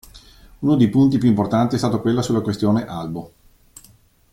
Uno dei punti più importanti è stato quello sulla questione Albo.